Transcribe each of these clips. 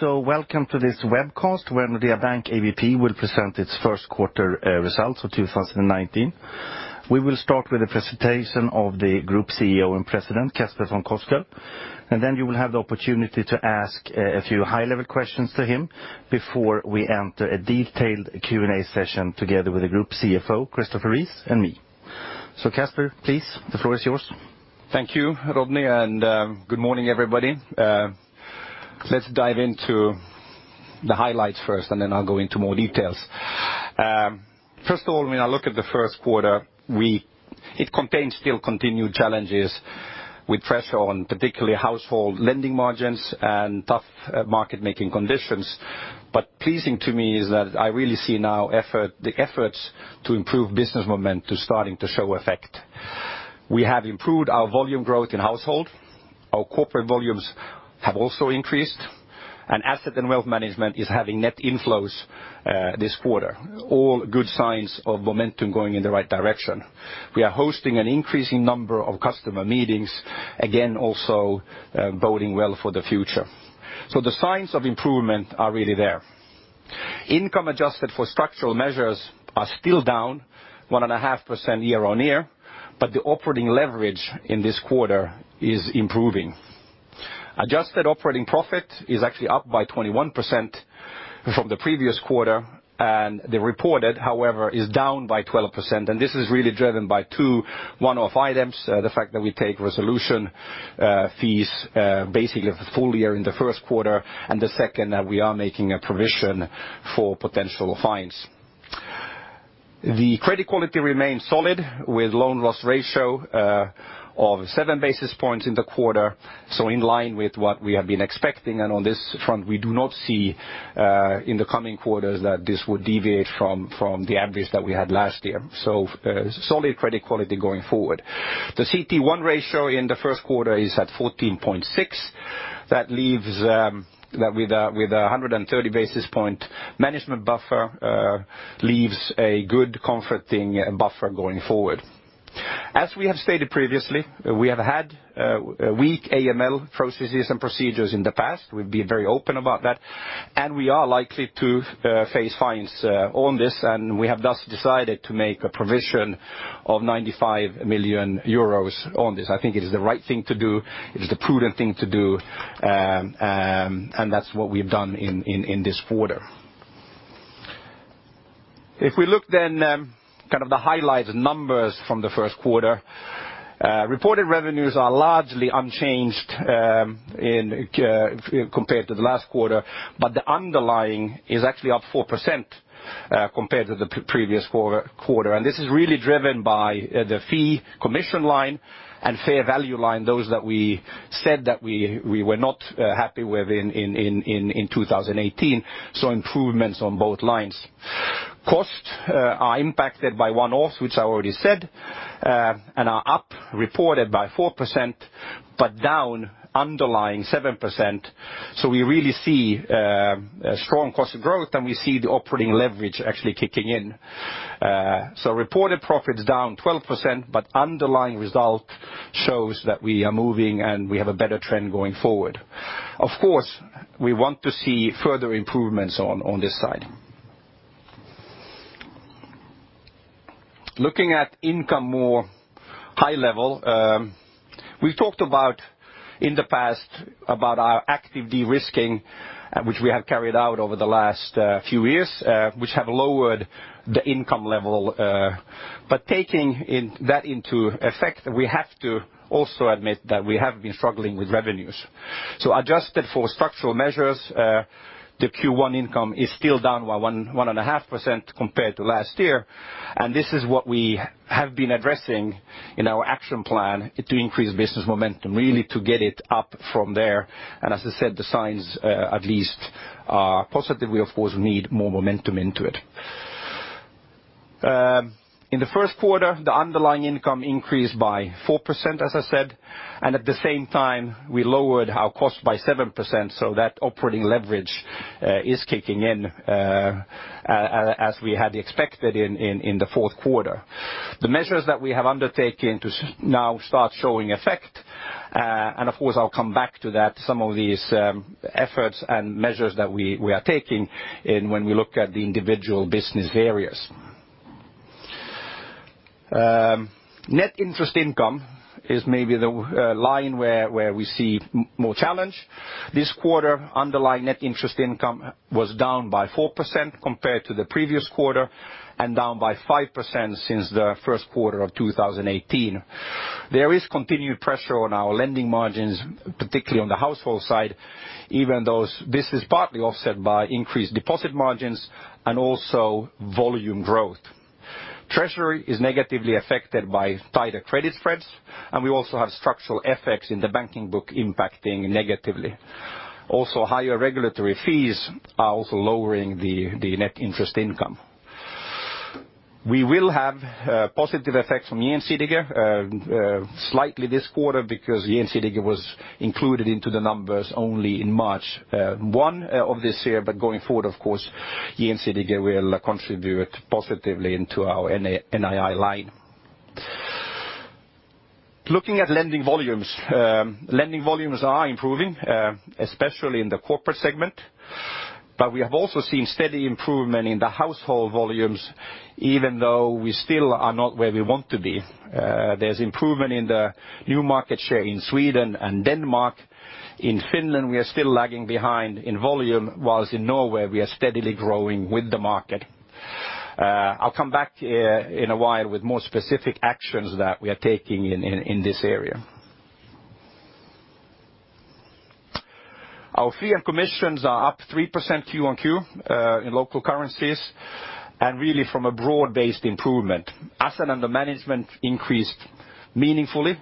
Welcome to this webcast where Nordea Bank Abp will present its Q1 results for 2019. We will start with a presentation of the Group Chief Executive Officer and President, Casper von Koskull, and then you will have the opportunity to ask a few high-level questions to him before we enter a detailed Q&A session together with the Group CFO, Christopher Rees, and me. Casper, please, the floor is yours. Thank you, Rodney. Good morning, everybody. Let's dive into the highlights first, and then I'll go into more details. When I look at the Q1, it contains still continued challenges with pressure on particularly household lending margins and tough market-making conditions. Pleasing to me is that I really see now the efforts to improve business momentum starting to show effect. We have improved our volume growth in household. Our corporate volumes have also increased, and asset and wealth management is having net inflows this quarter. All good signs of momentum going in the right direction. We are hosting an increasing number of customer meetings, again, also boding well for the future. The signs of improvement are really there. Income adjusted for structural measures are still down 1.5% year-on-year, but the operating leverage in this quarter is improving. Adjusted operating profit is actually up by 21% from the previous quarter, and the reported, however, is down by 12%. This is really driven by two one-off items. The fact that we take resolution fees basically full year in the Q1, and the second that we are making a provision for potential fines. The credit quality remains solid with loan loss ratio of seven basis points in the quarter. In line with what we have been expecting. On this front, we do not see in the coming quarters that this would deviate from the average that we had last year. Solid credit quality going forward. The CET1 ratio in the Q1 is at 14.6%. That with 130 basis point management buffer leaves a good comforting buffer going forward. As we have stated previously, we have had weak AML processes and procedures in the past. We've been very open about that, and we are likely to face fines on this, and we have thus decided to make a provision of 95 million euros on this. I think it is the right thing to do. It is the prudent thing to do. That's what we've done in this quarter. If we look then, the highlight numbers from the Q1. Reported revenues are largely unchanged compared to the last quarter, but the underlying is actually up 4% compared to the previous quarter. This is really driven by the fee commission line and fair value line, those that we said that we were not happy with in 2018. Improvements on both lines. Costs are impacted by one-offs, which I already said, and are up reported by 4%, but down underlying 7%. We really see a strong cost growth, and we see the operating leverage actually kicking in. Reported profits down 12%, but underlying result shows that we are moving and we have a better trend going forward. Of course, we want to see further improvements on this side. Looking at income more high-level. We have talked about in the past about our active de-risking, which we have carried out over the last few years, which have lowered the income level. Taking that into effect, we have to also admit that we have been struggling with revenues. Adjusted for structural measures, the Q1 income is still down by 1.5% compared to last year. This is what we have been addressing in our action plan to increase business momentum, really to get it up from there. As I said, the signs at least are positive. We, of course, need more momentum into it. In the Q1, the underlying income increased by 4%, as I said, at the same time, we lowered our cost by 7%. That operating leverage is kicking in as we had expected in the Q4. The measures that we have undertaken to now start showing effect, of course, I'll come back to that some of these efforts and measures that we are taking when we look at the individual business areas. Net interest income is maybe the line where we see more challenge this quarter. Underlying net interest income was down by 4% compared to the previous quarter and down by 5% since the Q1 of 2018. There is continued pressure on our lending margins, particularly on the household side, even though this is partly offset by increased deposit margins and also volume growth. Treasury is negatively affected by tighter credit spreads, we also have structural effects in the banking book impacting negatively. Higher regulatory fees are also lowering the net interest income. We will have positive effects from Gjensidige slightly this quarter because Gjensidige was included into the numbers only in March 1st, of this year. Going forward, of course, Gjensidige will contribute positively into our NII line. Looking at lending volumes. Lending volumes are improving, especially in the corporate segment, we have also seen steady improvement in the household volumes, even though we still are not where we want to be. There is improvement in the new market share in Sweden and Denmark. In Finland, we are still lagging behind in volume, whilst in Norway we are steadily growing with the market. I'll come back to you in a while with more specific actions that we are taking in this area. Our fee and commissions are up 3% Q-on-Q, in local currencies, really from a broad-based improvement. Asset under management increased meaningfully.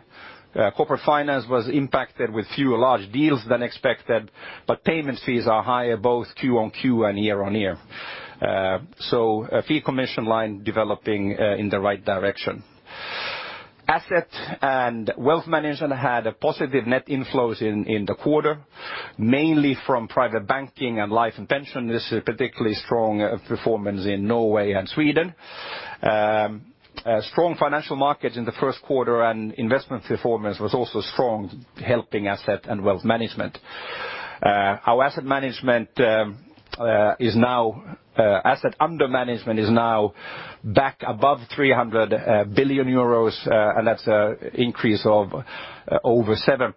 Corporate finance was impacted with fewer large deals than expected, payments fees are higher both Q-on-Q and year-on-year. A fee commission line developing in the right direction. Asset and wealth management had positive net inflows in the quarter, mainly from private banking and life and pension. This is particularly strong performance in Norway and Sweden. Strong financial markets in the Q1 and investment performance was also strong, helping asset and wealth management. Our Asset under management is now back above 300 billion euros, that's an increase of over 7%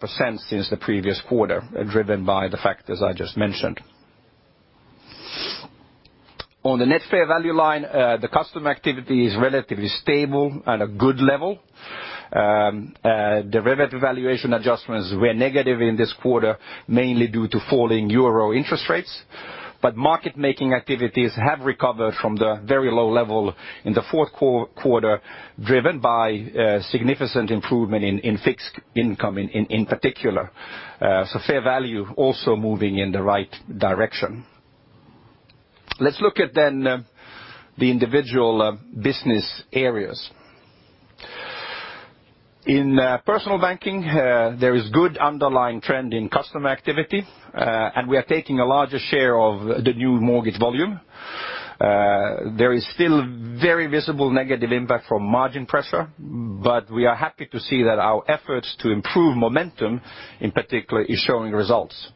since the previous quarter, driven by the factors I just mentioned. On the net fair value line, the customer activity is relatively stable at a good level. Derivative valuation adjustments were negative in this quarter, mainly due to falling euro interest rates. Market-making activities have recovered from the very low level in the Q4, driven by significant improvement in fixed income in particular. Fair value also moving in the right direction. Let's look at then the individual business areas. In Personal Banking, there is good underlying trend in customer activity, and we are taking a larger share of the new mortgage volume. There is still very visible negative impact from margin pressure, but we are happy to see that our efforts to improve momentum, in particular, is showing results.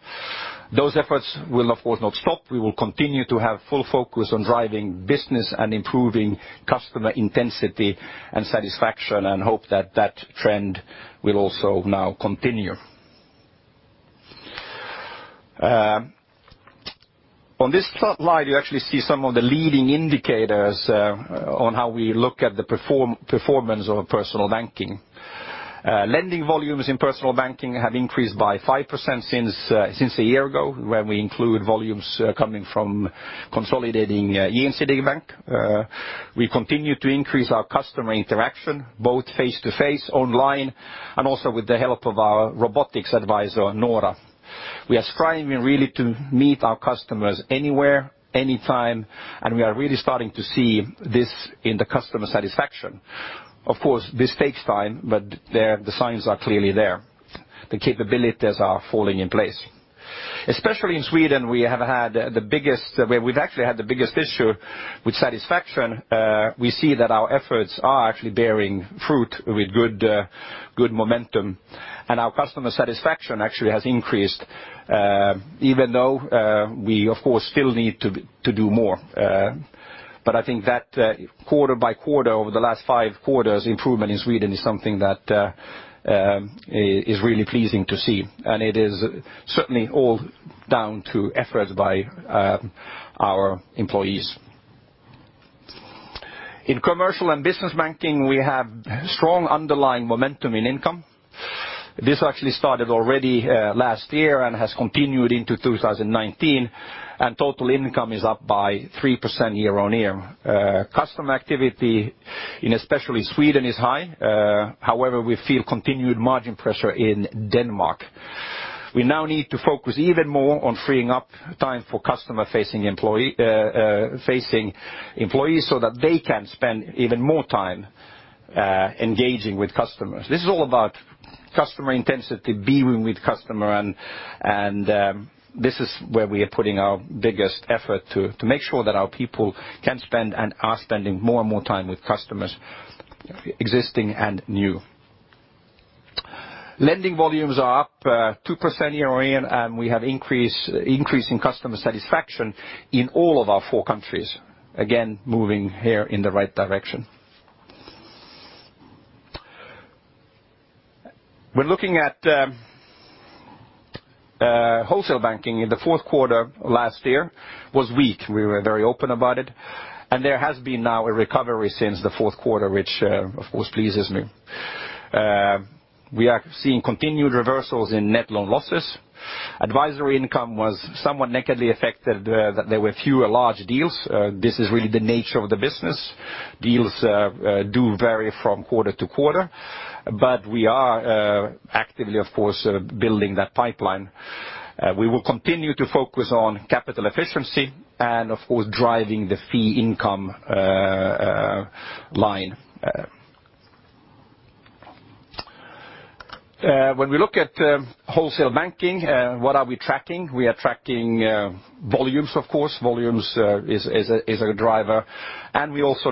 Those efforts will of course not stop. We will continue to have full focus on driving business and improving customer intensity and satisfaction, and hope that trend will also now continue. On this slide, you actually see some of the leading indicators on how we look at the performance of Personal Banking. Lending volumes in Personal Banking have increased by 5% since a year ago, where we include volumes coming from consolidating Gjensidige. We continue to increase our customer interaction, both face-to-face, online, and also with the help of our robotics advisor, Nora. We are striving really to meet our customers anywhere, anytime, and we are really starting to see this in the customer satisfaction. Of course, this takes time, but the signs are clearly there. The capabilities are falling in place. Especially in Sweden, where we've actually had the biggest issue with satisfaction, we see that our efforts are actually bearing fruit with good momentum, and our customer satisfaction actually has increased, even though we, of course, still need to do more. I think that quarter by quarter over the last five quarters, improvement in Sweden is something that is really pleasing to see, and it is certainly all down to efforts by our employees. In Commercial & Business Banking, we have strong underlying momentum in income. This actually started already last year and has continued into 2019, and total income is up by 3% year-on-year. Customer activity in especially Sweden is high. However, we feel continued margin pressure in Denmark. We now need to focus even more on freeing up time for customer-facing employees, so that they can spend even more time engaging with customers. This is all about customer intensity, being with customer, and this is where we are putting our biggest effort to make sure that our people can spend and are spending more and more time with customers, existing and new. Lending volumes are up 2% year-on-year, and we have increasing customer satisfaction in all of our four countries. Again, moving here in the right direction. When looking at wholesale banking in the Q4 last year was weak. We were very open about it, and there has been now a recovery since the Q4, which, of course, pleases me. We are seeing continued reversals in net loan losses. Advisory income was somewhat negatively affected, that there were fewer large deals. This is really the nature of the business. Deals do vary from quarter to quarter, but we are actively, of course, building that pipeline. We will continue to focus on capital efficiency and, of course, driving the fee income line. When we look at wholesale banking, what are we tracking? We are tracking volumes, of course. Volumes is a driver. We're also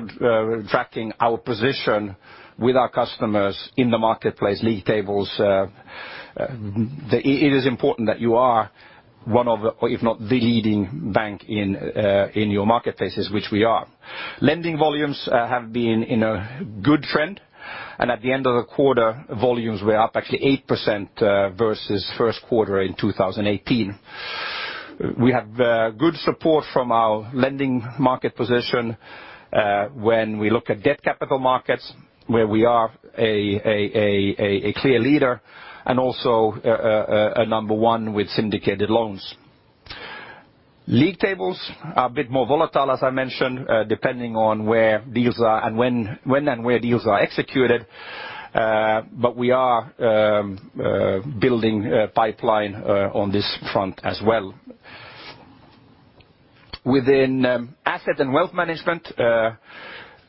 tracking our position with our customers in the marketplace league tables. It is important that you are one of, if not the leading bank in your marketplaces, which we are. Lending volumes have been in a good trend. At the end of the quarter, volumes were up actually 8% versus Q1 in 2018. We have good support from our lending market position, when we look at debt capital markets, where we are a clear leader, and also number 1 with syndicated loans. League tables are a bit more volatile, as I mentioned, depending on when and where deals are executed. We are building a pipeline on this front as well. Within asset and wealth management,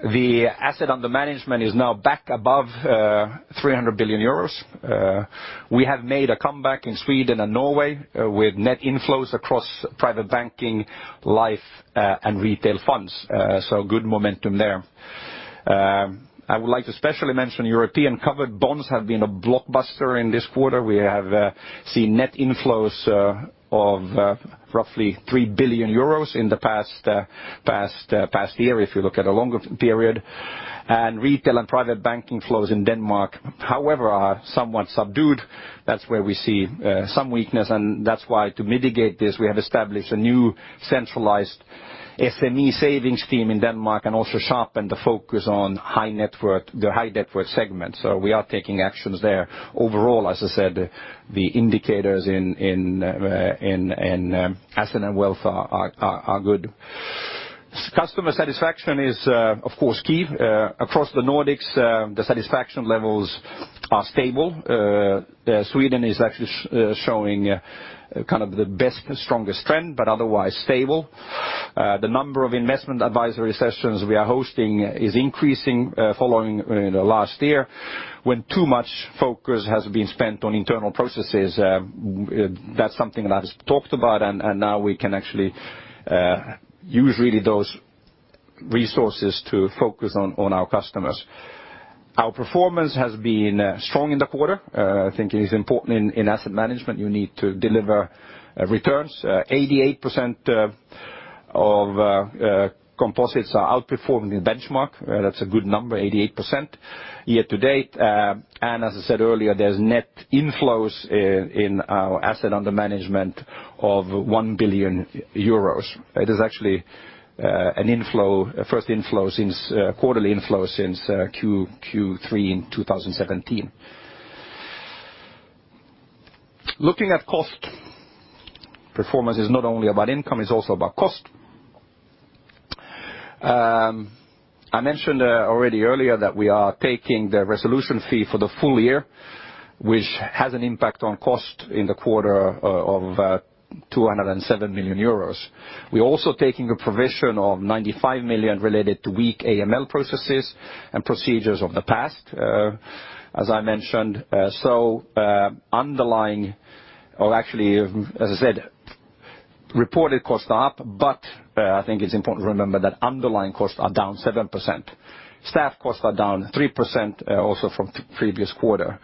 the asset under management is now back above 300 billion euros. We have made a comeback in Sweden and Norway with net inflows across private banking, life, and retail funds. Good momentum there. I would like to specially mention European covered bonds have been a blockbuster in this quarter. We have seen net inflows of roughly 3 billion euros in the past year, if you look at a longer period. Retail and private banking flows in Denmark, however, are somewhat subdued. That's where we see some weakness. That's why to mitigate this, we have established a new centralized SME savings team in Denmark and also sharpened the focus on the high net worth segment. We are taking actions there. Overall, as I said, the indicators in asset and wealth are good. Customer satisfaction is, of course, key. Across the Nordics, the satisfaction levels are stable. Sweden is actually showing the best, strongest trend, but otherwise stable. The number of investment advisory sessions we are hosting is increasing following the last year, when too much focus has been spent on internal processes. That's something that I've talked about, and now we can actually use really those resources to focus on our customers. Our performance has been strong in the quarter. I think it is important in asset management, you need to deliver returns. 88% of composites are outperforming the benchmark. That's a good number, 88% year to date. As I said earlier, there's net inflows in our asset under management of 1 billion euros. It is actually a Q1ly inflow since Q3 in 2017. Looking at cost, performance is not only about income, it's also about cost. I mentioned already earlier that we are taking the resolution fee for the full year, which has an impact on cost in the quarter of 207 million euros. We're also taking a provision of 95 million related to weak AML processes and procedures of the past, as I mentioned. Actually, as I said, reported costs are up, but I think it's important to remember that underlying costs are down 7%. Staff costs are down 3% also from previous quarter.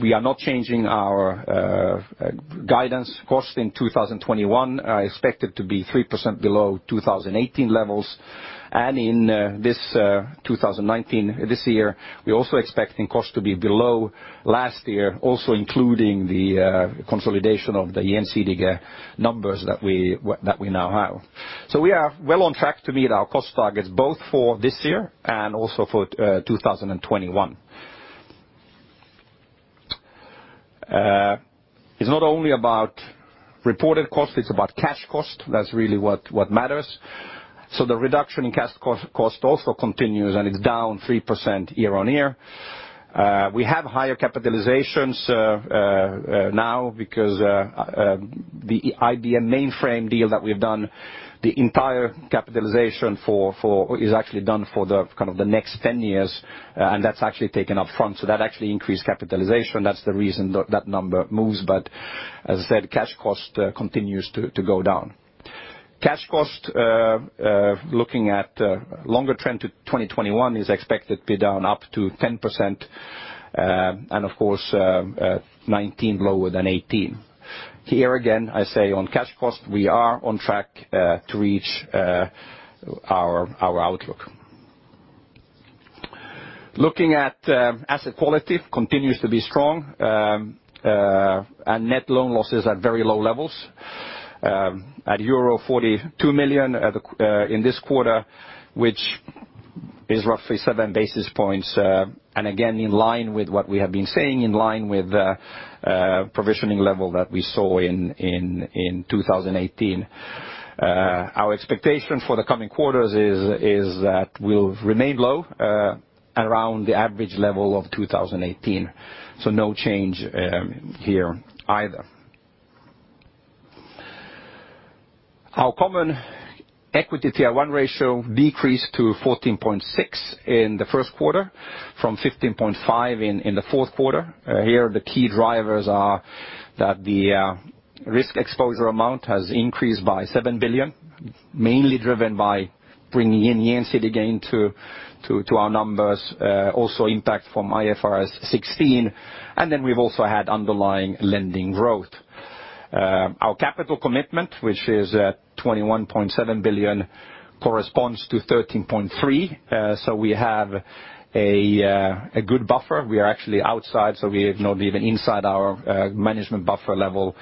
We are not changing our guidance cost in 2021, expected to be 3% below 2018 levels. In this 2019, this year, we're also expecting costs to be below last year, also including the consolidation of the NCD numbers that we now have. We are well on track to meet our cost targets both for this year and also for 2021. It's not only about reported cost, it's about cash cost. That's really what matters. The reduction in cash cost also continues, and it's down 3% year-on-year. We have higher capitalizations now because the IBM mainframe deal that we've done, the entire capitalization is actually done for the next 10 years, and that's actually taken up front. That actually increased capitalization. That's the reason that number moves. As I said, cash cost continues to go down. Cash cost, looking at longer trend to 2021, is expected to be down up to 10%, and of course 2019 lower than 2018. Here again, I say on cash cost, we are on track to reach our outlook. Looking at asset quality continues to be strong, net loan losses at very low levels at euro 42 million in this quarter, which is roughly seven basis points. Again, in line with what we have been saying, in line with the provisioning level that we saw in 2018. No change here either. Our Common Equity Tier 1 ratio decreased to 14.6 in the Q1 from 15.5 in the Q4. Here, the key drivers are that the risk exposure amount has increased by 7 billion, mainly driven by bringing in Gjensidige again to our numbers, also impact from IFRS 16, then we've also had underlying lending growth. Our capital commitment, which is at 21.7 billion, corresponds to 13.3. We have a good buffer. We are actually outside, we have not even inside our management buffer level,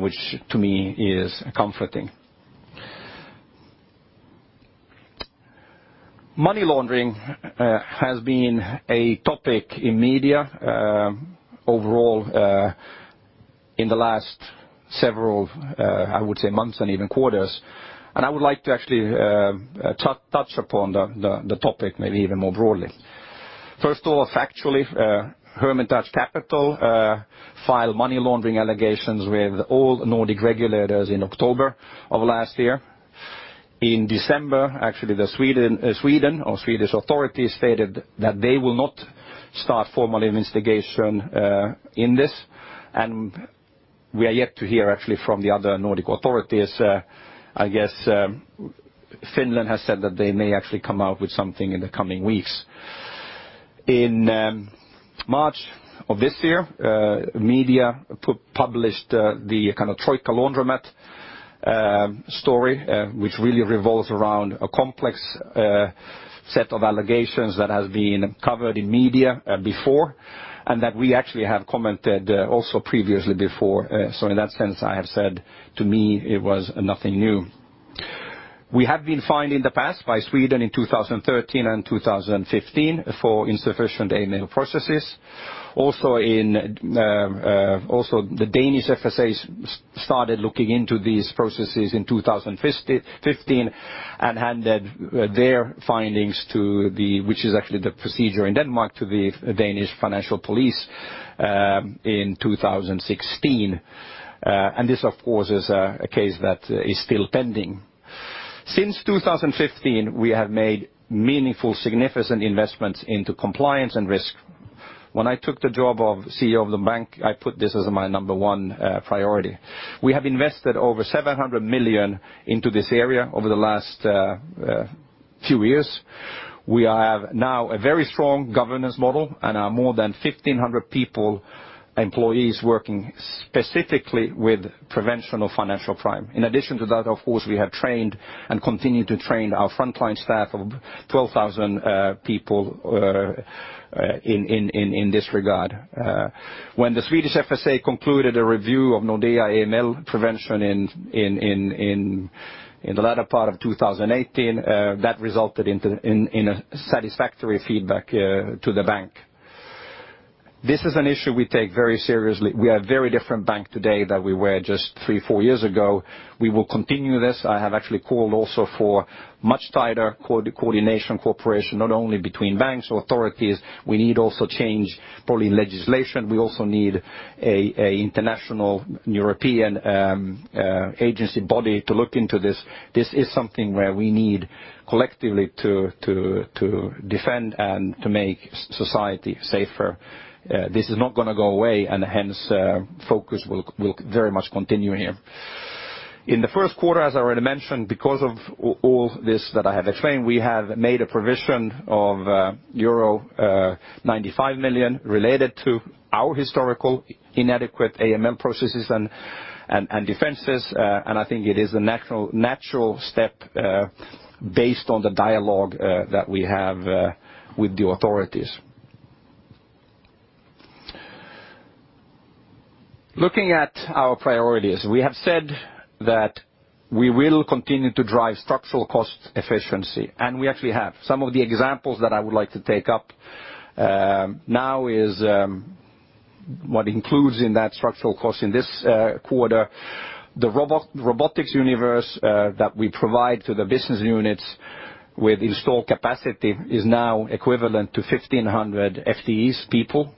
which to me is comforting. Money laundering has been a topic in media overall, in the last several, I would say months and even quarters. I would like to actually touch upon the topic maybe even more broadly. First of all, factually, Hermitage Capital filed money laundering allegations with all Nordic regulators in October of last year. In December, actually, the Swedish authorities stated that they will not start formal investigation in this. We are yet to hear actually from the other Nordic authorities. I guess Finland has said that they may actually come out with something in the coming weeks. In March of this year, media published the kind of Troika Laundromat story, which really revolves around a complex set of allegations that has been covered in media before, that we actually have commented also previously before. In that sense, I have said, to me, it was nothing new. We have been fined in the past by Sweden in 2013 and 2015 for insufficient AML processes. Also the Danish FSAs started looking into these processes in 2015 and handed their findings, which is actually the procedure in Denmark, to the Danish Financial Intelligence Unit, in 2016. This, of course, is a case that is still pending. Since 2015, we have made meaningful, significant investments into compliance and risk. When I took the job of CEO of the bank, I put this as my number one priority. We have invested over 700 million into this area over the last few years. We have now a very strong governance model and are more than 1,500 people, employees working specifically with prevention of financial crime. In addition to that, of course, we have trained and continue to train our frontline staff of 12,000 people in this regard. When the Swedish FSA concluded a review of Nordea AML prevention in the latter part of 2018, that resulted in a satisfactory feedback to the bank. This is an issue we take very seriously. We are a very different bank today than we were just three, four years ago. We will continue this. I have actually called also for much tighter coordination, cooperation, not only between banks or authorities. We also need change probably in legislation. We also need a international European agency body to look into this. This is something where we need collectively to defend and to make society safer. This is not going to go away, hence, focus will very much continue here. In the Q1, as I already mentioned, because of all this that I have explained, we have made a provision of euro 95 million related to our historical inadequate AML processes and defenses. I think it is a natural step based on the dialogue that we have with the authorities. Looking at our priorities, we have said that we will continue to drive structural cost efficiency, we actually have. Some of the examples that I would like to take up now is what includes in that structural cost in this quarter. The robotics universe that we provide to the business units with installed capacity is now equivalent to 1,500 FTEs people,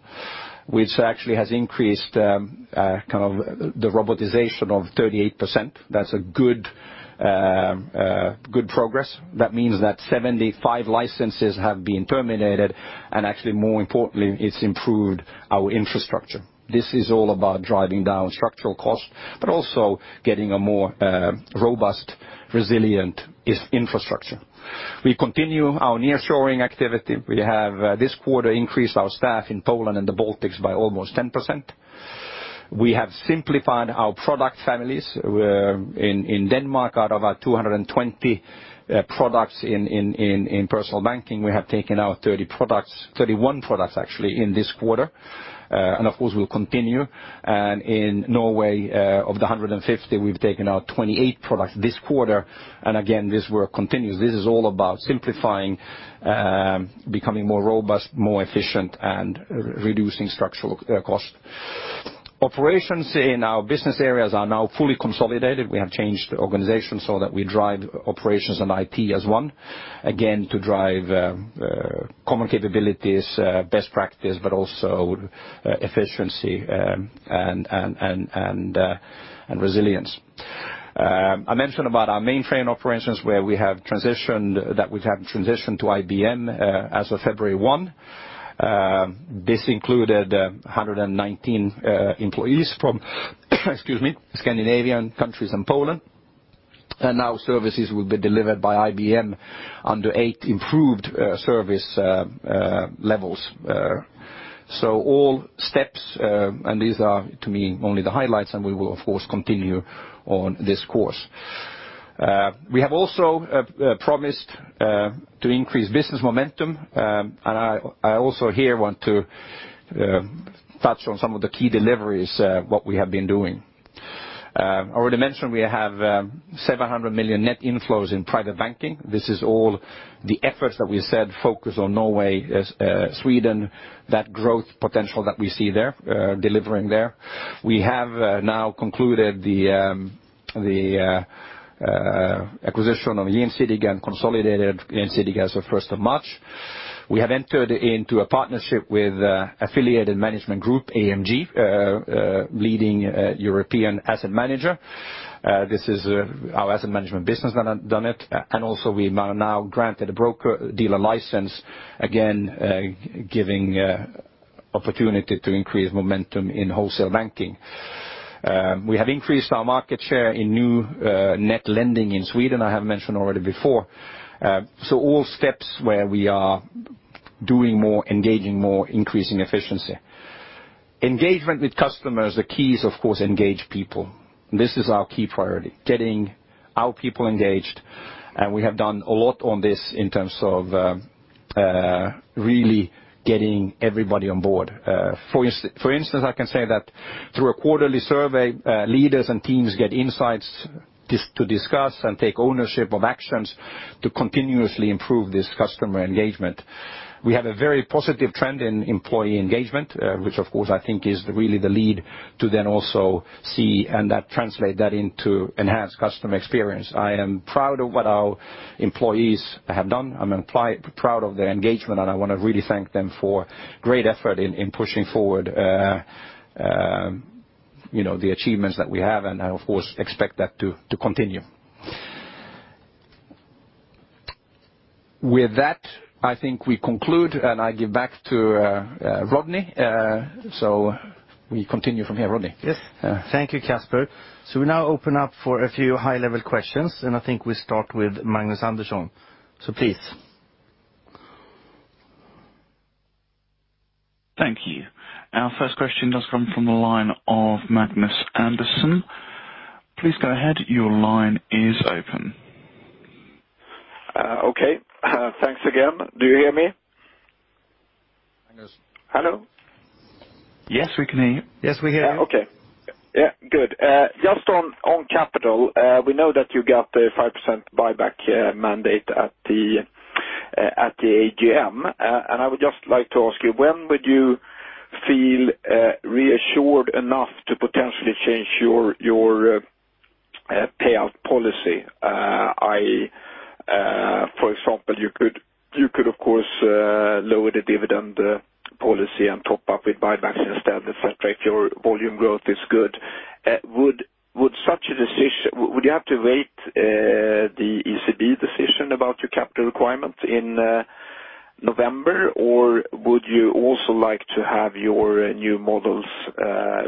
which actually has increased the robotization of 38%. That's a good progress. That means that 75 licenses have been terminated, actually more importantly, it's improved our infrastructure. This is all about driving down structural costs, but also getting a more robust, resilient infrastructure. We continue our nearshoring activity. We have this quarter increased our staff in Poland and the Baltics by almost 10%. We have simplified our product families. In Denmark, out of our 220 products in Personal Banking, we have taken out 30 products, 31 products actually in this quarter. Of course, we'll continue. In Norway, of the 150, we've taken out 28 products this quarter. Again, this work continues. This is all about simplifying, becoming more robust, more efficient, and reducing structural cost. Operations in our business areas are now fully consolidated. We have changed the organization so that we drive operations and IT as one, again, to drive common capabilities, best practice, but also efficiency and resilience. I mentioned about our mainframe operations that we've had transitioned to IBM as of February one. This included 119 employees from excuse me, Scandinavian countries and Poland. Now services will be delivered by IBM under 8 improved service levels. All steps, and these are, to me, only the highlights, we will, of course, continue on this course. We have also promised to increase business momentum, I also here want to touch on some of the key deliveries, what we have been doing. I already mentioned we have 700 million net inflows in private banking. This is all the efforts that we said focus on Norway, Sweden, that growth potential that we see there, delivering there. We have now concluded the acquisition of Gjensidige, again, consolidated Gjensidige as of March 1st. We have entered into a partnership with Affiliated Managers Group, AMG, leading European asset manager. This is our asset management business done it, and also we are now granted a broker-dealer license, again, giving opportunity to increase momentum in wholesale banking. We have increased our market share in new net lending in Sweden, I have mentioned already before. All steps where we are doing more, engaging more, increasing efficiency. Engagement with customers, the key is, of course, engage people. This is our key priority, getting our people engaged. And we have done a lot on this in terms of really getting everybody on board. For instance, I can say that through a quarterly survey, leaders and teams get insights to discuss and take ownership of actions to continuously improve this customer engagement. We have a very positive trend in employee engagement, which of course, I think is really the lead to then also see and translate that into enhanced customer experience. I am proud of what our employees have done. I'm proud of their engagement, and I want to really thank them for great effort in pushing forward the achievements that we have, and I, of course, expect that to continue. With that, I think we conclude and I give back to Rodney. We continue from here, Rodney. Yes. Thank you, Casper. We now open up for a few high-level questions, and I think we start with Magnus Andersson. Please. Thank you. Our first question does come from the line of Magnus Andersson. Please go ahead, your line is open. Okay. Thanks again. Do you hear me? Magnus. Hello? Yes, we can hear you. Yes, we hear you. Okay. Yeah. Good. Just on capital, we know that you got the 5% buyback mandate at the AGM, and I would just like to ask you, when would you feel reassured enough to potentially change your payout policy? For example, you could, of course, lower the dividend policy and top up with buybacks instead, et cetera, if your volume growth is good. Would you have to wait the ECB decision about your capital requirements in November, or would you also like to have your new models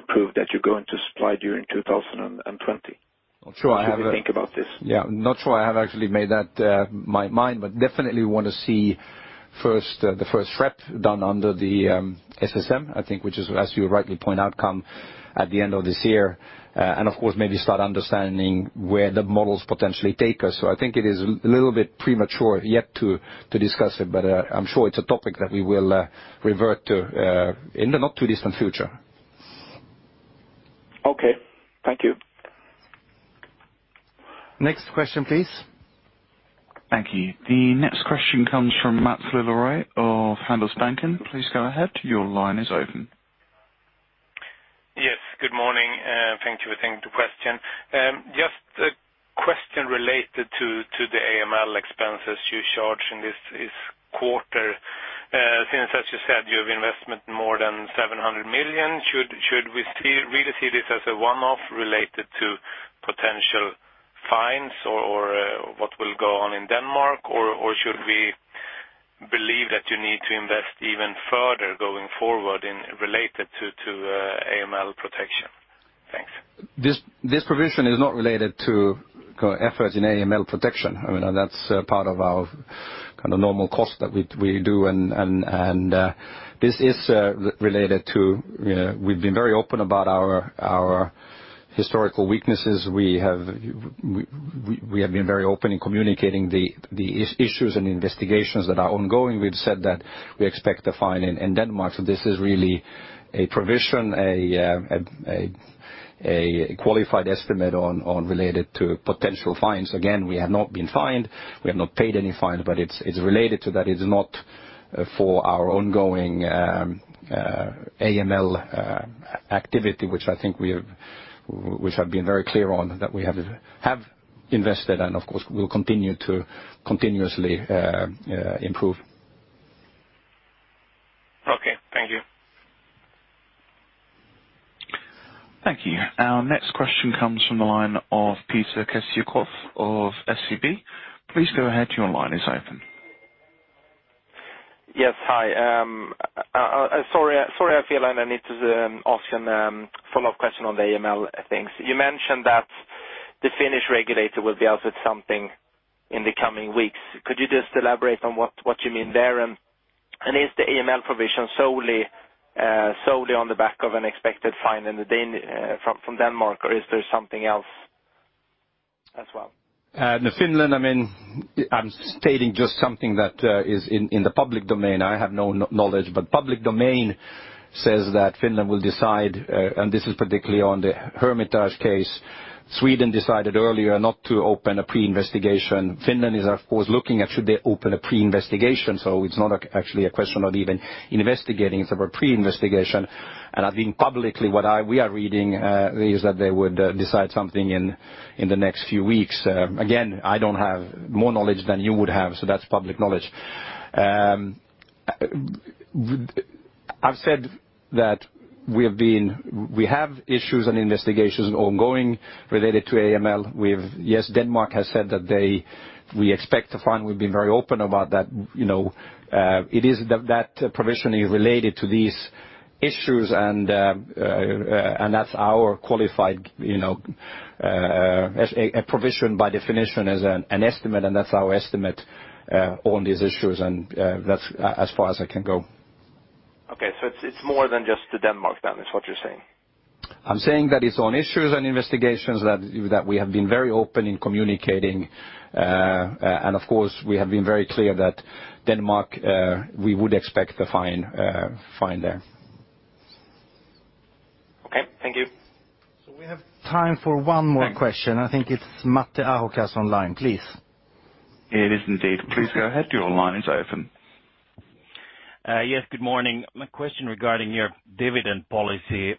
prove that you're going to supply during 2020? Not sure. What do you think about this? Yeah, not sure I have actually made up my mind, but definitely want to see the first SREP done under the SSM, I think, which is, as you rightly point out, come at the end of this year. Of course, maybe start understanding where the models potentially take us. I think it is a little bit premature yet to discuss it, but I'm sure it's a topic that we will revert to in the not too distant future. Okay. Thank you. Next question, please. Thank you. The next question comes from Mats Franzén of Handelsbanken. Please go ahead, your line is open. Yes, good morning, and thank you. Thank you for taking the question. Just a question related to the AML expenses you charge in this quarter. Since, as you said, you have investment more than 700 million, should we really see this as a one-off related to potential fines or what will go on in Denmark? Should we believe that you need to invest even further going forward related to AML protection? Thanks. This provision is not related to efforts in AML protection. That's part of our normal cost that we do, and this is related to, we've been very open about our historical weaknesses. We have been very open in communicating the issues and investigations that are ongoing. We've said that we expect a fine in Denmark. This is really a provision, a qualified estimate related to potential fines. Again, we have not been fined. We have not paid any fine, but it's related to that. It's not for our ongoing AML activity, which I think we have been very clear on, that we have invested and, of course, we will continue to continuously improve. Thank you. Our next question comes from the line of Peter Kessiakoff of SEB. Please go ahead. Your line is open. Yes. Hi. Sorry, I feel I need to ask you a follow-up question on the AML things. You mentioned that the Finnish regulator will be out with something in the coming weeks. Could you just elaborate on what you mean there? Is the AML provision solely on the back of an expected fine from Denmark, or is there something else as well? In Finland, I'm stating just something that is in the public domain. I have no knowledge, but public domain says that Finland will decide, and this is particularly on the Hermitage case. Sweden decided earlier not to open a pre-investigation. Finland is, of course, looking at should they open a pre-investigation. It's not actually a question of even investigating. It's about pre-investigation. I think publicly what we are reading is that they would decide something in the next few weeks. Again, I don't have more knowledge than you would have, so that's public knowledge. I've said that we have issues and investigations ongoing related to AML. Yes, Denmark has said that we expect a fine, we've been very open about that. That provision is related to these issues, and that's our qualified estimate. A provision by definition is an estimate, and that's our estimate on these issues, and that's as far as I can go. Okay. It's more than just Denmark, is what you're saying. I'm saying that it's on issues and investigations that we have been very open in communicating. Of course, we have been very clear that Denmark, we would expect a fine there. Okay. Thank you. We have time for one more question. I think it's Matti Ahokas on the line, please. It is indeed. Please go ahead. Your line is open. Yes, good morning. My question regarding your dividend policy.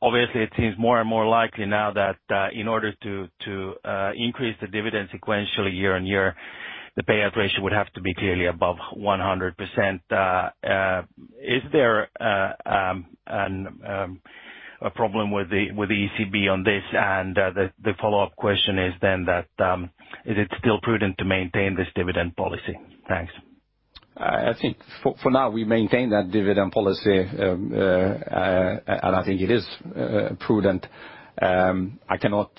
Obviously, it seems more and more likely now that in order to increase the dividend sequentially year on year, the payout ratio would have to be clearly above 100%. Is there a problem with the ECB on this? The follow-up question is it still prudent to maintain this dividend policy? Thanks. I think for now, we maintain that dividend policy, and I think it is prudent. I cannot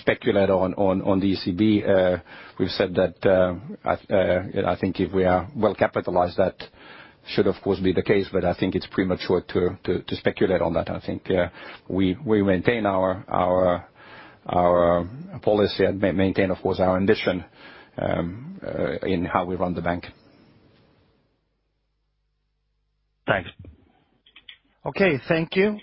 speculate on the ECB. We've said that I think if we are well capitalized, that should, of course, be the case, but I think it's premature to speculate on that. I think we maintain our policy and maintain, of course, our ambition in how we run the bank. Thanks. Okay. Thank you.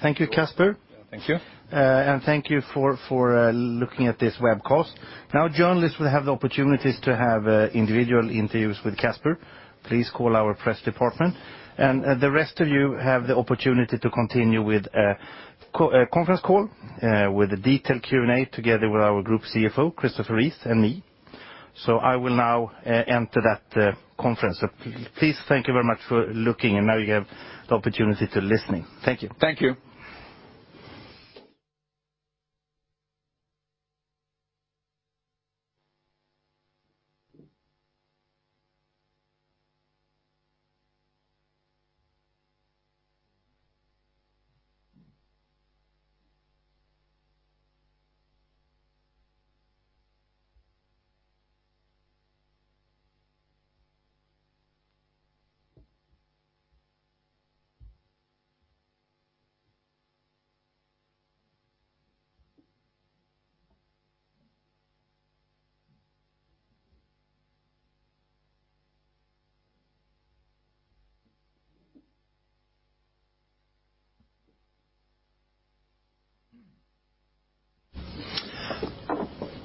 Thank you, Casper. Thank you. Thank you for looking at this webcast. Now journalists will have the opportunities to have individual interviews with Casper. Please call our press department. The rest of you have the opportunity to continue with a conference call with a detailed Q&A together with our Group CFO, Christopher Rees, and me. I will now enter that conference. Please thank you very much for looking, and now you have the opportunity to listening. Thank you. Thank you.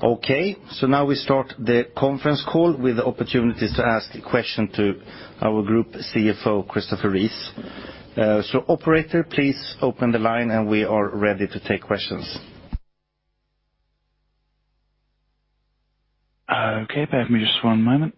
Okay, now we start the conference call with the opportunity to ask a question to our Group CFO, Christopher Rees. Operator, please open the line and we are ready to take questions. Okay, bear with me just one moment.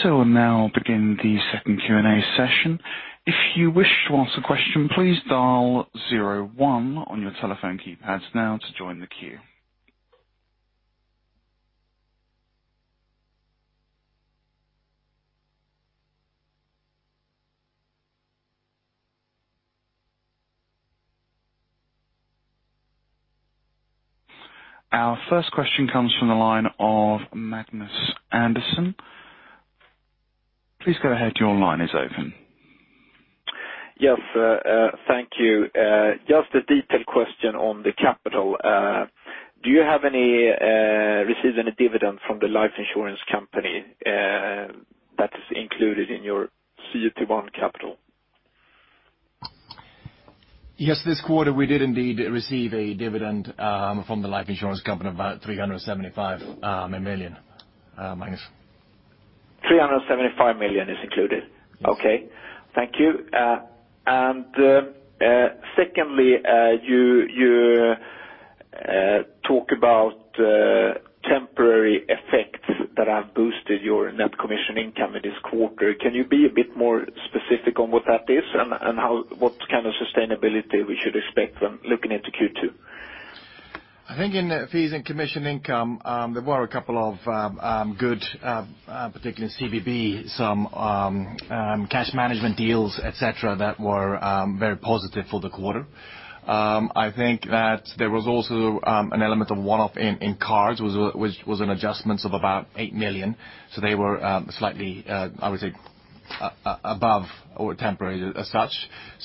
Okay, we'll now begin the second Q&A session. If you wish to ask a question, please dial zero one on your telephone keypads now to join the queue. Our first question comes from the line of Magnus Andersson. Please go ahead, your line is open. Yes. Thank you. Just a detailed question on the capital. Received any dividend from the life insurance company that is included in your CET1 capital? Yes. This quarter we did indeed receive a dividend from the life insurance company, about 375 million, Magnus. 375 million is included? Yes. Okay. Thank you. Secondly, you talk about temporary effects that have boosted your net commission income in this quarter. Can you be a bit more specific on what that is and what kind of sustainability we should expect when looking into Q2? I think in fees and commission income, there were a couple of good, particularly in CBB, some cash management deals, et cetera, that were very positive for the quarter. I think that there was also an element of one-off in cards, which was an adjustments of about 8 million. They were slightly, I would say, above or temporary as such.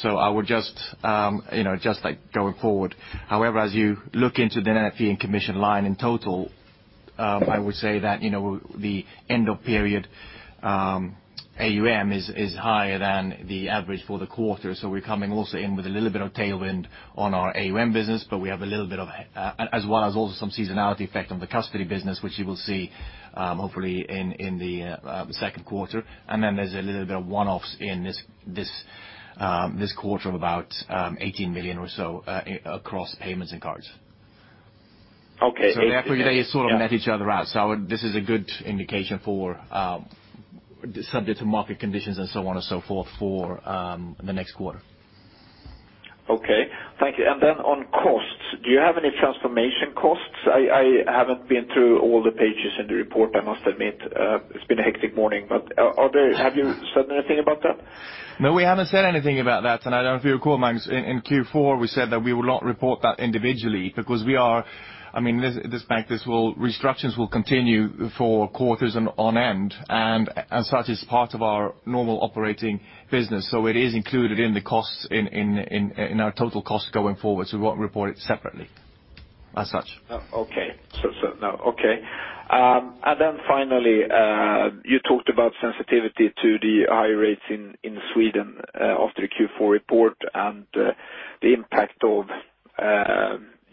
I would just, like going forward. However, as you look into the net fee and commission line in total, I would say that, the end of period, AUM is higher than the average for the quarter. We're coming also in with a little bit of tailwind on our AUM business. We have a little bit of, as well as also some seasonality effect on the custody business, which you will see, hopefully, in the Q2. Then there's a little bit of one-offs in this quarter of about, 18 million or so across payments and cards. Okay. Therefore they sort of net each other out. This is a good indication for, subject to market conditions and so on and so forth for the next quarter. Okay. Thank you. Then on costs, do you have any transformation costs? I haven't been through all the pages in the report, I must admit. It's been a hectic morning. Have you said anything about that? No, we haven't said anything about that. I don't know if you recall, Magnus, in Q4, we said that we will not report that individually because restructures will continue for quarters on end, and as such is part of our normal operating business. It is included in the costs, in our total cost going forward. We won't report it separately, as such. Okay. Then finally, you talked about sensitivity to the high rates in Sweden, after the Q4 report and the impact of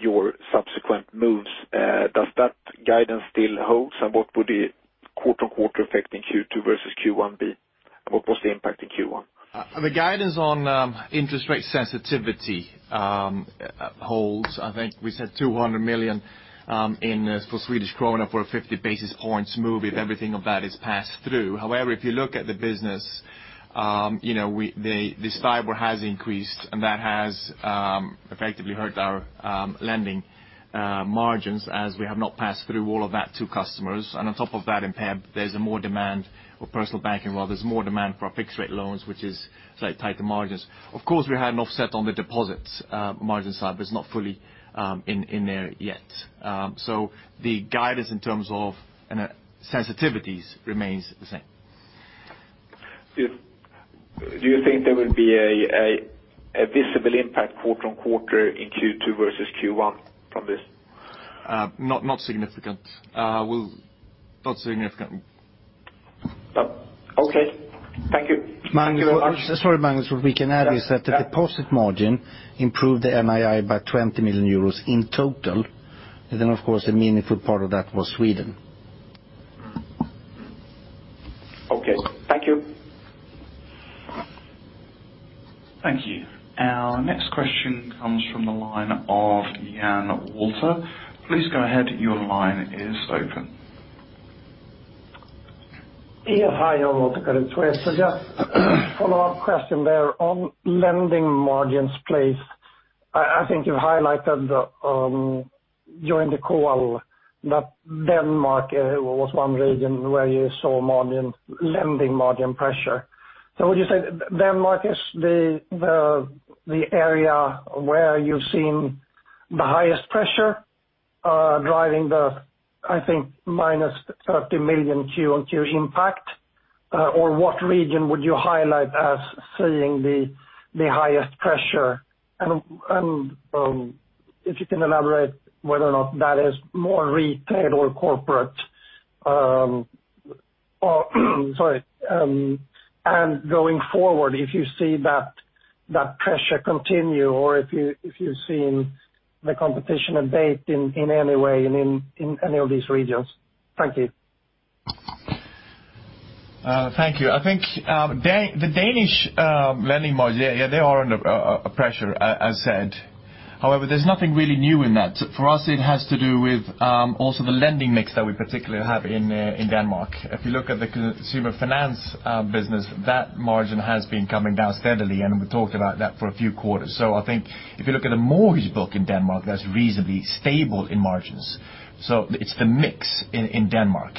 your subsequent moves. Does that guidance still hold? What would the quarter-on-quarter effect in Q2 versus Q1 be? What was the impact in Q1? The guidance on interest rate sensitivity holds. I think we said 200 million for a 50 basis points move if everything of that is passed through. If you look at the business, the STIBOR has increased, and that has effectively hurt our lending margins as we have not passed through all of that to customers. On top of that in PeB, there's more demand Or Personal Banking, well, there's more demand for our fixed rate loans, which is slightly tighter margins. Of course, we had an offset on the deposit margins side, but it's not fully in there yet. The guidance in terms of sensitivities remains the same. Do you think there will be a visible impact quarter-on-quarter in Q2 versus Q1 from this? Not significant. Okay. Thank you. Magnus, sorry, Magnus. What we can add is that the deposit margin improved the NII by 20 million euros in total. Of course, a meaningful part of that was Sweden. Okay. Thank you. Thank you. Our next question comes from the line of Jan Walter. Please go ahead. Your line is open. Hi, Jan Walter, Just a follow-up question there on lending margins, please. I think you highlighted during the call that Denmark was one region where you saw lending margin pressure. Would you say Denmark is the area where you're seeing the highest pressure, driving the, I think, -30 million quarter-over-quarter impact? What region would you highlight as seeing the highest pressure? If you can elaborate whether or not that is more retail or corporate, sorry. Going forward, if you see that pressure continue, if you're seeing the competition abate in any way in any of these regions. Thank you. Thank you. I think the Danish lending margin, yeah, they are under pressure, as said. However, there's nothing really new in that. For us, it has to do with also the lending mix that we particularly have in Denmark. If you look at the consumer finance business, that margin has been coming down steadily, and we've talked about that for a few quarters. I think if you look at the mortgage book in Denmark, that's reasonably stable in margins. It's the mix in Denmark.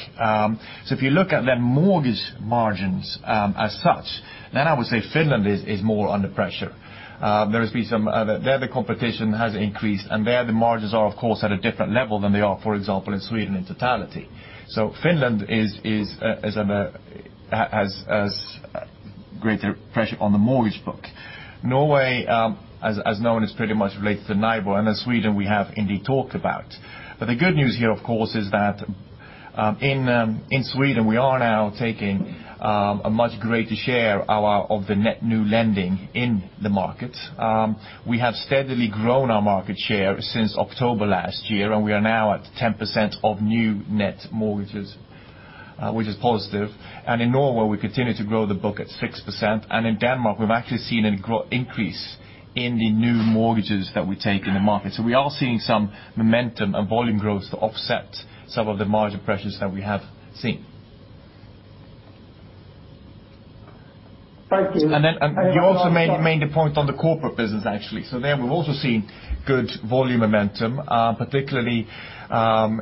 If you look at the mortgage margins as such, then I would say Finland is more under pressure. There the competition has increased, and there the margins are, of course, at a different level than they are, for example, in Sweden in totality. Finland is asGreater pressure on the mortgage book. Norway, as known, is pretty much related to NIBOR. Sweden we have indeed talked about. The good news here, of course, is that in Sweden we are now taking a much greater share of the net new lending in the market. We have steadily grown our market share since October last year, and we are now at 10% of new net mortgages, which is positive. In Norway, we continue to grow the book at 6%. In Denmark, we've actually seen an increase in the new mortgages that we take in the market. We are seeing some momentum and volume growth to offset some of the margin pressures that we have seen. Thank you. You also made a point on the corporate business, actually. There we've also seen good volume momentum, particularly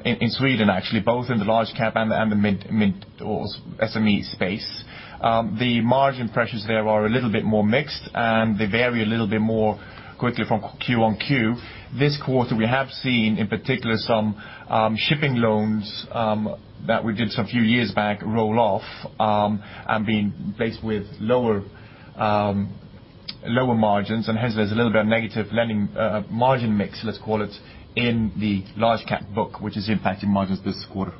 in Sweden actually, both in the large cap and the mid or SME space. The margin pressures there are a little bit more mixed, and they vary a little bit more quickly from Q on Q. This quarter, we have seen in particular some shipping loans that we did some few years back roll off, and being placed with lower margins. Hence there's a little bit of negative margin mix, let's call it, in the large cap book, which is impacting margins this quarter.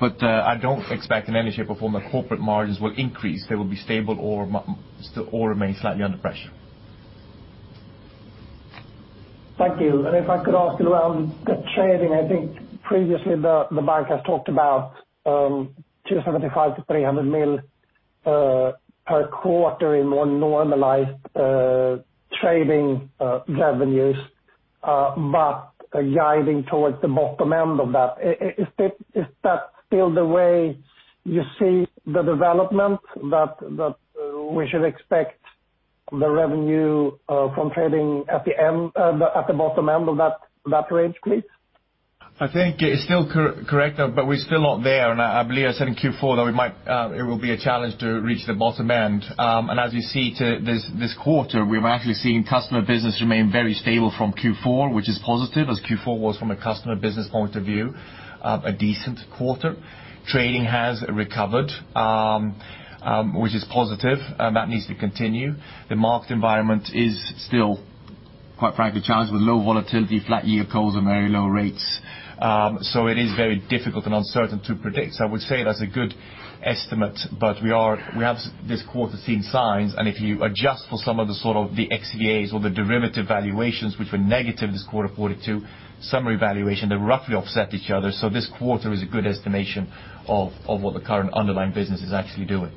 I don't expect in any shape or form that corporate margins will increase. They will be stable or remain slightly under pressure. Thank you. If I could ask you around the trading, I think previously the bank has talked about 275 million-300 million per quarter in more normalized trading revenues, but guiding towards the bottom end of that. Is that still the way you see the development, that we should expect the revenue from trading at the bottom end of that range, please? I think it's still correct, we're still not there. I believe I said in Q4 that it will be a challenge to reach the bottom end. As you see to this quarter, we're actually seeing customer business remain very stable from Q4, which is positive as Q4 was from a customer business point of view, a decent quarter. Trading has recovered, which is positive. That needs to continue. The market environment is still, quite frankly, challenged with low volatility, flat yield curves, and very low rates. It is very difficult and uncertain to predict. I would say that's a good estimate, but we have this quarter seen signs, and if you adjust for some of the XVA or the derivative valuations, which were negative this quarter two, summary valuation, they roughly offset each other. This quarter is a good estimation of what the current underlying business is actually doing.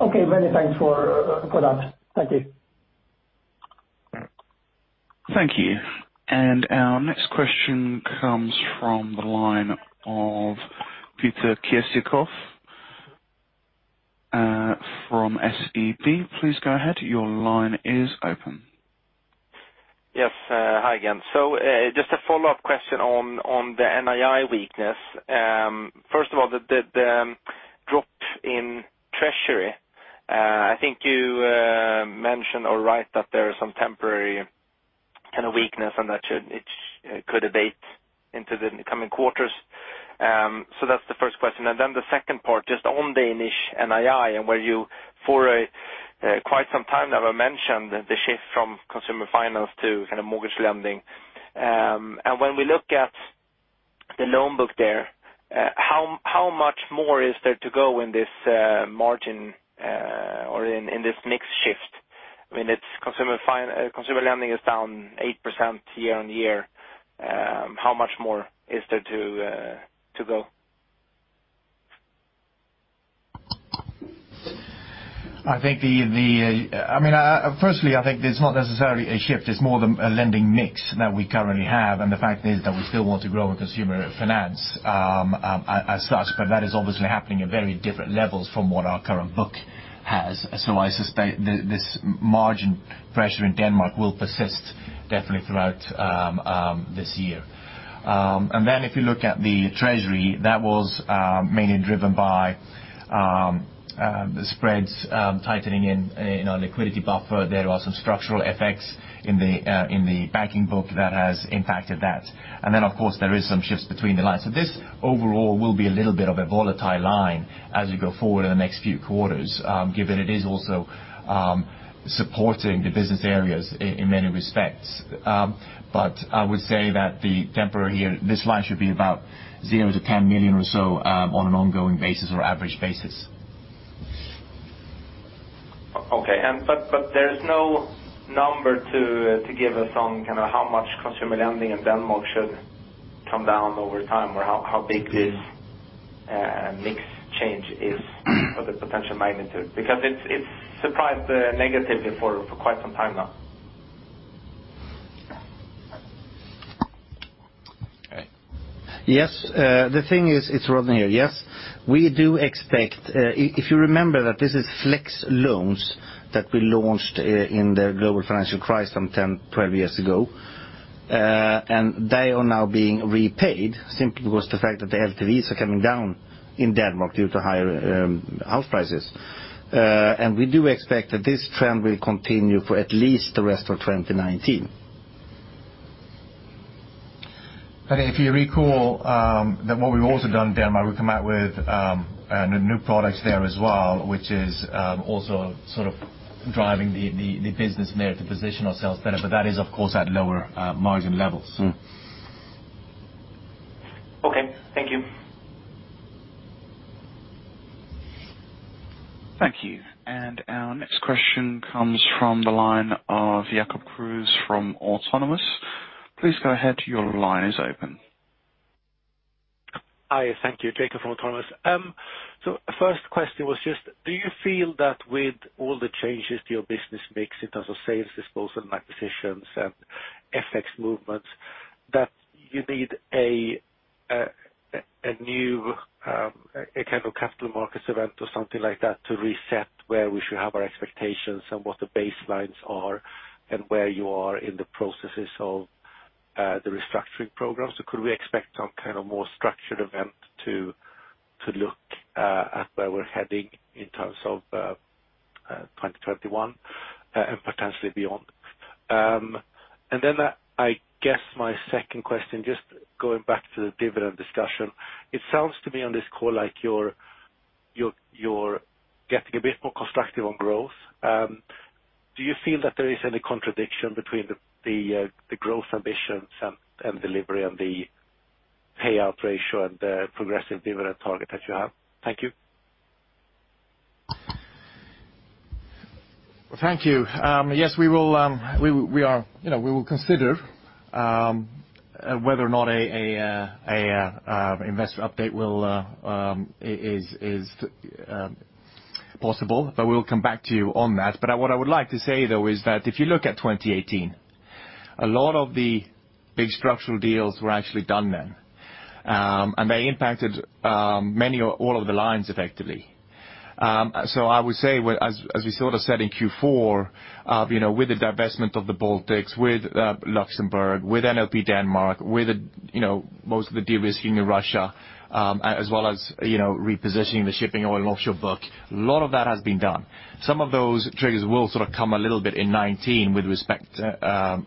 Okay. Many thanks for that. Thank you. Thank you. Our next question comes from the line of Peter Kessiakoff from SEB. Please go ahead. Your line is open. Yes. Hi again. Just a follow-up question on the NII weakness. First of all, the drop in treasury. I think you mentioned or right that there is some temporary weakness and that it could abate into the coming quarters. That's the first question. The second part, just on Danish NII and where you, for quite some time now, mentioned the shift from consumer finance to mortgage lending. When we look at the loan book there, how much more is there to go in this margin, or in this mix shift? Consumer lending is down 8% year-on-year. How much more is there to go? Firstly, I think there's not necessarily a shift, it's more the lending mix that we currently have. The fact is that we still want to grow consumer finance as such, but that is obviously happening at very different levels from what our current book has. I suspect this margin pressure in Denmark will persist definitely throughout this year. If you look at the treasury, that was mainly driven by the spreads tightening in our liquidity buffer. There are some structural effects in the banking book that has impacted that. Of course, there is some shifts between the lines. This overall will be a little bit of a volatile line as we go forward in the next few quarters, given it is also supporting the business areas in many respects. I would say that the temporary here, this line should be about 0-10 million or so on an ongoing basis or average basis. Okay. There's no number to give us on how much consumer lending in Denmark should come down over time, or how big this mix change is for the potential magnitude. Because it's surprised negatively for quite some time now. Okay. Yes. It's Rodney here. Yes. If you remember that this is Flex loans that we launched in the global financial crisis some 10, 12 years ago. They are now being repaid simply because the fact that the LTVs are coming down in Denmark due to higher house prices. We do expect that this trend will continue for at least the rest of 2019. If you recall that what we've also done, Dan, we've come out with new products there as well, which is also sort of driving the business there to position ourselves better. That is, of course, at lower margin levels. Okay. Thank you. Thank you. Our next question comes from the line of Jakob Kruse from Autonomous. Please go ahead. Your line is open. Hi. Thank you, Jakob Kruse from Autonomous Research. First question was just, do you feel that with all the changes to your business mix in terms of sales disposal and acquisitions and FX movements, that you need a new kind of capital markets event or something like that to reset where we should have our expectations and what the baselines are, and where you are in the processes of the restructuring program? I guess my second question, just going back to the dividend discussion. It sounds to me on this call like you're getting a bit more constructive on growth. Do you feel that there is any contradiction between the growth ambitions and delivery and the payout ratio and the progressive dividend target that you have? Thank you. Thank you. Yes, we will consider whether or not an investor update is possible, we'll come back to you on that. What I would like to say, though, is that if you look at 2018, a lot of the big structural deals were actually done then. They impacted many or all of the lines effectively. I would say, as we sort of said in Q4, with the divestment of the Baltics, with Luxembourg, with NLP Denmark, with most of the de-risking in Russia, as well as repositioning the shipping oil and offshore book. A lot of that has been done. Some of those triggers will sort of come a little bit in 2019 with respect to,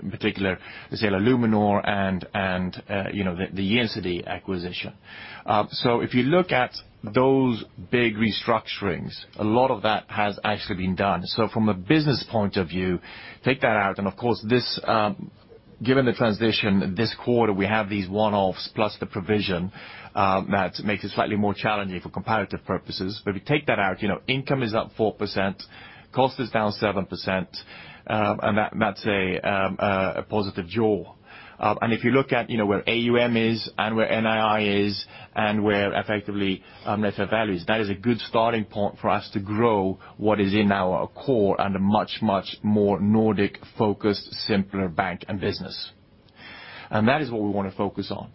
in particular, the sale of Luminor and the Gjensidige acquisition. If you look at those big restructurings, a lot of that has actually been done. From a business point of view, take that out, Of course, given the transition this quarter, we have these one-offs plus the provision, that makes it slightly more challenging for comparative purposes. We take that out, income is up 4%, cost is down 7%, That's a positive jaw. If you look at where AUM is and where NII is and where effectively net fair value is, that is a good starting point for us to grow what is in our core and a much, much more Nordic focused, simpler bank and business. That is what we want to focus on.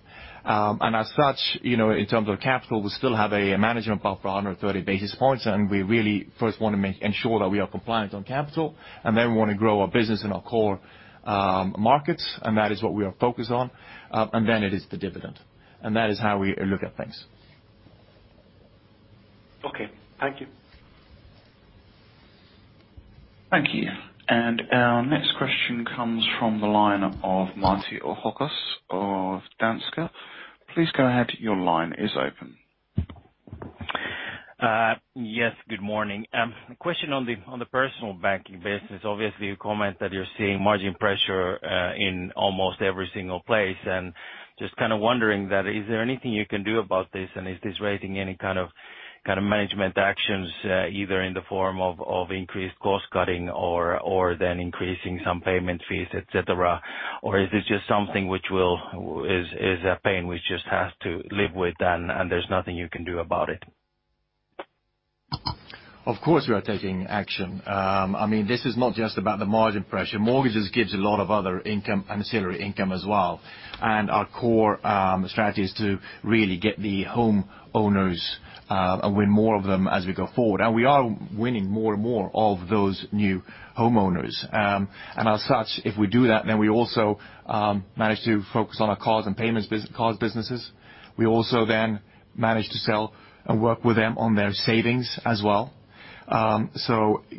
As such, in terms of capital, we still have a management buffer 130 basis points, We really first want to ensure that we are compliant on capital, Then we want to grow our business in our core markets, That is what we are focused on. Then it is the dividend. That is how we look at things. Okay. Thank you. Thank you. Our next question comes from the line of Matti Ahokas of Danske. Please go ahead. Your line is open. Yes, good morning. Question on the Personal Banking business. Obviously, you comment that you're seeing margin pressure, in almost every single place. Just kind of wondering, is there anything you can do about this, and is this raising any kind of management actions, either in the form of increased cost-cutting or then increasing some payment fees, et cetera? Is this just something which is a pain we just have to live with and there's nothing you can do about it? Of course, we are taking action. This is not just about the margin pressure. Mortgages gives a lot of other income, ancillary income as well. Our core strategy is to really get the homeowners, and win more of them as we go forward. We are winning more and more of those new homeowners. As such, if we do that, we also manage to focus on our cars and payments cars businesses. We also manage to sell and work with them on their savings as well.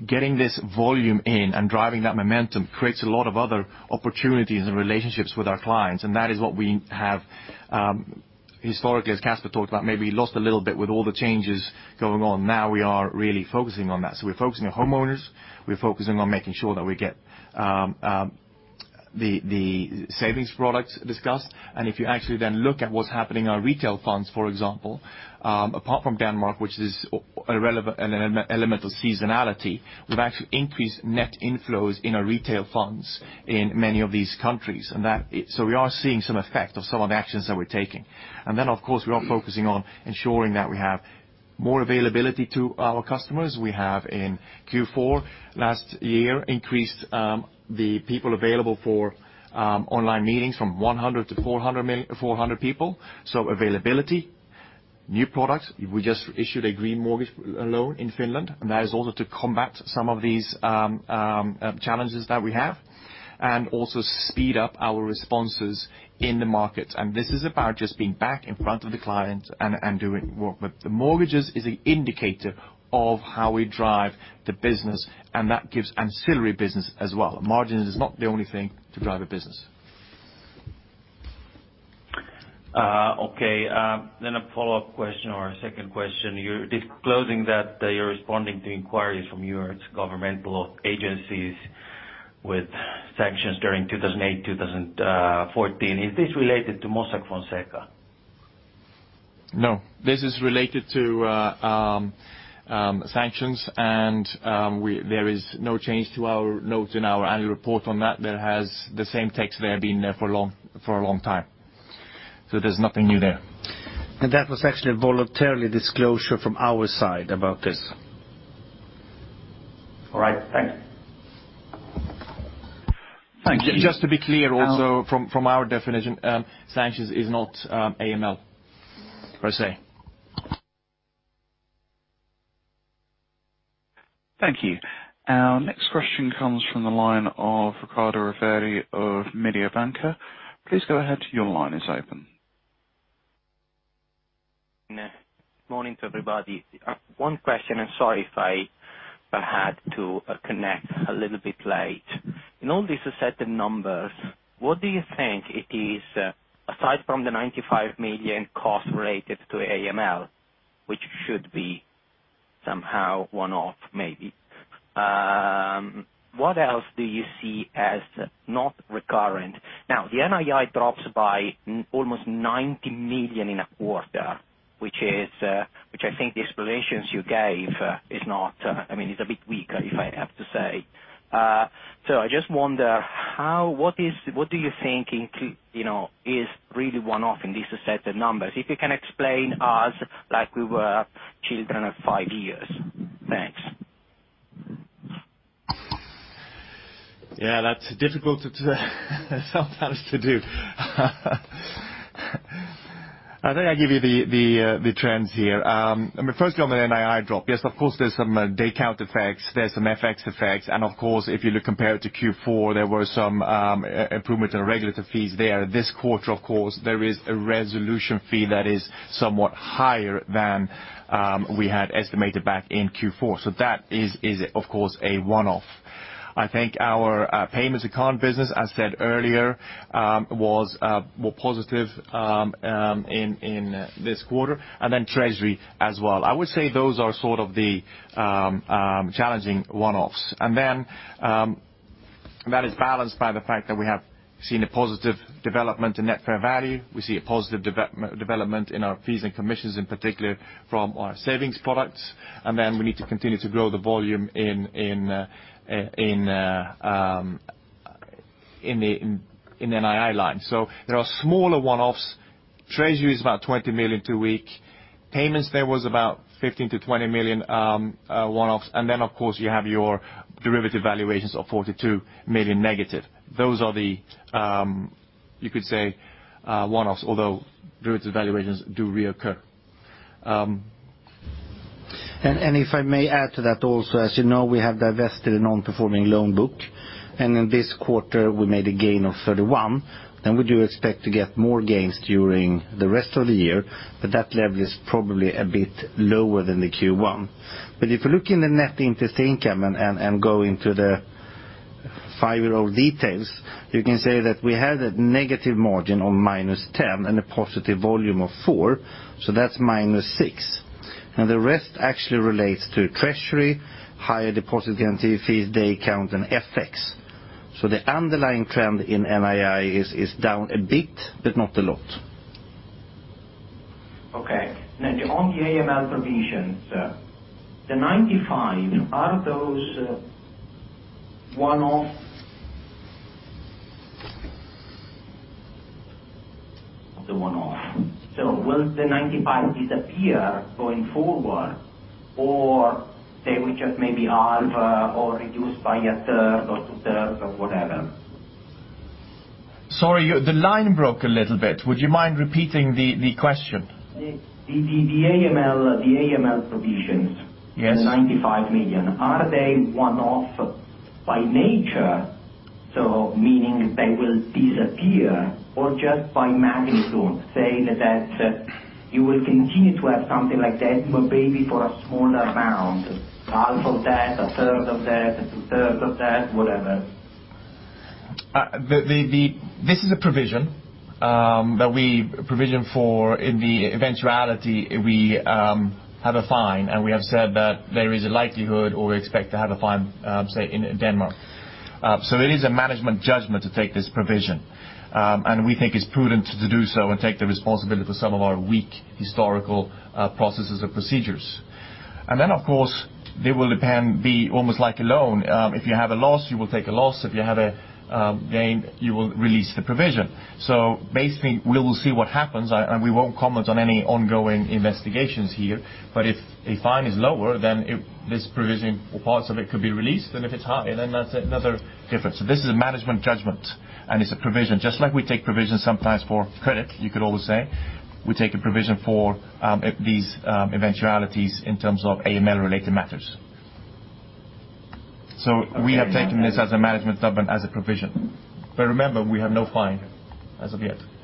Getting this volume in and driving that momentum creates a lot of other opportunities and relationships with our clients, and that is what we have historically, as Casper talked about, maybe lost a little bit with all the changes going on. Now we are really focusing on that. We're focusing on homeowners, we're focusing on making sure that we get the savings products discussed. If you actually then look at what's happening in our retail funds, for example, apart from Denmark, which is an element of seasonality, we've actually increased net inflows in our retail funds in many of these countries. We are seeing some effect of some of the actions that we're taking. Of course, we are focusing on ensuring that we have more availability to our customers. We have in Q4 last year increased the people available for online meetings from 100-400 people. Availability. New products. We just issued a green housing loan in Finland, that is also to combat some of these challenges that we have and also speed up our responses in the market. This is about just being back in front of the client and doing work. The mortgages is an indicator of how we drive the business, and that gives ancillary business as well. Margins is not the only thing to drive a business. Okay. A follow-up question or a second question. You're disclosing that you're responding to inquiries from Europe's governmental agencies with sanctions during 2008, 2014. Is this related to Mossack Fonseca? No. This is related to sanctions. There is no change to our notes in our annual report on that. There has the same text there, been there for a long time. There's nothing new there. That was actually a voluntarily disclosure from our side about this. All right. Thank you. Thank you. Just to be clear also from our definition, sanctions is not AML per se. Thank you. Our next question comes from the line of Riccardo Rovere of Mediobanca. Please go ahead. Your line is open. Morning to everybody. One question, sorry if I had to connect a little bit late. In all this set of numbers, what do you think it is, aside from the 95 million cost related to AML, which should be somehow one-off, maybe. What else do you see as not recurrent? Now, the NII drops by almost 90 million in a quarter, which I think the explanations you gave, it's a bit weaker if I have to say. I just wonder, what do you think is really one-off in this set of numbers? If you can explain us like we were children of five years. Thanks. Yeah, that's difficult sometimes to do. I think I give you the trends here. Firstly, on the NII drop. Yes, of course, there's some day count effects, there's some FX effects, and of course, if you look compared to Q4, there were some improvement in regulatory fees there. This quarter, of course, there is a resolution fee that is somewhat higher than we had estimated back in Q4. That is, of course, a one-off. I think our payments account business, as said earlier, were positive in this quarter, and then treasury as well. I would say those are sort of the challenging one-offs. That is balanced by the fact that we have seen a positive development in net fair value. We see a positive development in our fees and commissions, in particular from our savings products. We need to continue to grow the volume in NII line. There are smaller one-offs. Treasury is about 20 million too weak. Payments, there was about 15 million-20 million one-offs. Of course, you have your derivative valuations of 42 million negative. Those are the, you could say one-offs, although derivative valuations do reoccur. If I may add to that also, as you know, we have divested a non-performing loan book, and in this quarter we made a gain of 31, and we do expect to get more gains during the rest of the year, but that level is probably a bit lower than the Q1. If you look in the Net Interest Income and go into the five-year-old details, you can say that we had a negative margin of -10 and a positive volume of 4, so that's -6. The rest actually relates to treasury, higher deposit guarantee fees, day count, and FX. The underlying trend in NII is down a bit, but not a lot. Okay. Now, on the AML provisions, the 95, are those one-off? The one-off. Will the 95 disappear going forward or they will just maybe half or reduce by a third or two-thirds or whatever? Sorry, the line broke a little bit. Would you mind repeating the question? The AML provisions. Yes. The 95 million. Are they one-off by nature, meaning they will disappear or just by magnitude, say that you will continue to have something like that, but maybe for a smaller amount, half of that, a third of that, two-thirds of that, whatever. This is a provision, that we provision for in the eventuality we have a fine we have said that there is a likelihood or we expect to have a fine, say in Denmark. It is a management judgment to take this provision. We think it's prudent to do so and take the responsibility for some of our weak historical processes or procedures. Then, of course, they will depend, be almost like a loan. If you have a loss, you will take a loss. If you have a gain, you will release the provision. Basically, we will see what happens, and we won't comment on any ongoing investigations here. If a fine is lower, then this provision or parts of it could be released. If it's high, then that's another difference. This is a management judgment, and it's a provision, just like we take provisions sometimes for credit, you could always say, we take a provision for these eventualities in terms of AML related matters. We have taken this as a management judgment, as a provision. Remember, we have no fine as of yet. All right.